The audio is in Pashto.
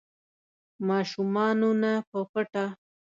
ماشومانو نه په پټه